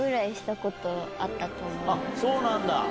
そうなんだ。